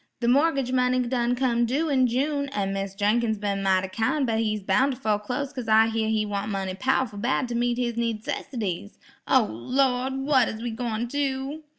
"The mor'gage money done come due in June, an' Mis' Jenkins been mighty kind, but he's boun' to fo'close cause I hear he want money pow'ful bad to meet his needcessities. O, Lawd! what is we gwine do?"